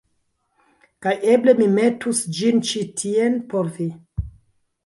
kaj eble mi metus ĝin ĉi tien por vi.